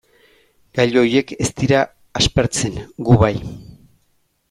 Gailu horiek ez dira aspertzen, gu bai.